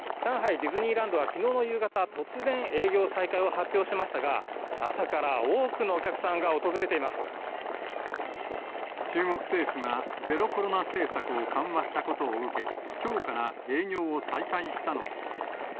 ディズニーランドはきのうの夕方、突然、営業再開を発表しましたが、朝から多くのお客さんが訪れてい中国政府がゼロコロナ政策を緩和したことを受け、きょうから営業を再開したのです。